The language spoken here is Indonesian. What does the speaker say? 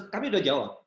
kami udah jawab